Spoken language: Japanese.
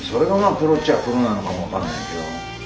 プロっちゃあプロなのかも分かんないけど。